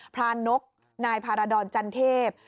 รานกนายพารดรจันเทพ